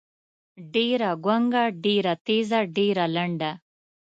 ډېــره ګونګــــــه، ډېــره تېــزه، ډېــره لنډه.